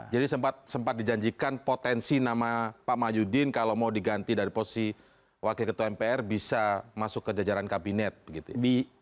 jadi sempat sempat dijanjikan potensi nama pak mahyudin kalau mau diganti dari posisi wakil ketua mpr bisa masuk ke jajaran kabinet begitu ya